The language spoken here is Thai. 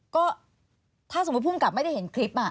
ก็ถ้าสมมุติภูมิกับไม่ได้เห็นคลิป